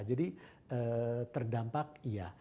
jadi terdampak iya